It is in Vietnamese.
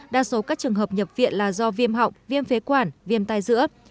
đa số các trường hợp nhập viện là do viêm họng viêm phế quản viêm tai dữa